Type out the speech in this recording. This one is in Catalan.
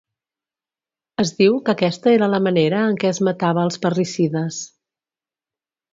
Es diu que aquesta era la manera en què es matava als parricides.